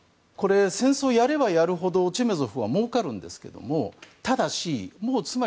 戦争をやればやるほどチェメゾフはもうかるんですけどただし、